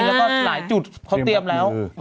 แล้วก็หลายจุดเขาเตรียมแล้ว